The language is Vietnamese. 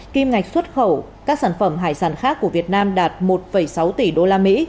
kim ngạch xuất khẩu các sản phẩm hải sản khác của việt nam đạt một sáu tỷ usd